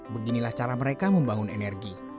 beginilah cara mereka membangun energi